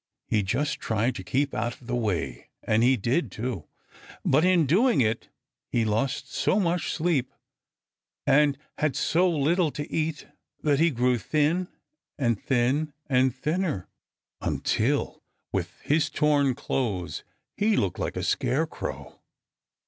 He just tried to keep out of the way. And he did, too. But in doing it he lost so much sleep and he had so little to eat that he grew thin and thin and thinner, until, with his torn clothes, he looked like a scarecrow.